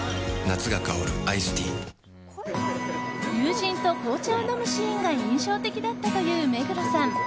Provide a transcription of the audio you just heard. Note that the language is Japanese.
友人と紅茶を飲むシーンが印象的だったという目黒さん。